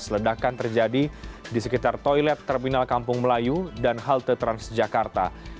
ledakan terjadi di sekitar toilet terminal kampung melayu dan halte transjakarta